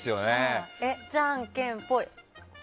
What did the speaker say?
じゃんけんぽい。